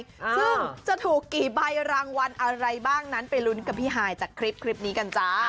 ซึ่งจะถูกกี่ใบรางวัลอะไรบ้างนั้นไปลุ้นกับพี่ฮายจากคลิปคลิปนี้กันจ้า